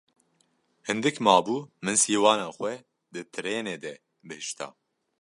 Hindik mabû min sîwana xwe di trênê de bihişta.